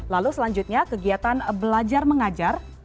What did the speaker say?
lalu selanjutnya kegiatan belajar mengajar